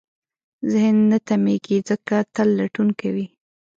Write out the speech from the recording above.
ذهن نه تمېږي، ځکه تل لټون کوي.